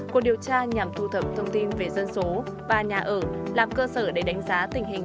cuộc điều tra nhằm thu thập thông tin về dân số và nhà ở làm cơ sở để đánh giá tình hình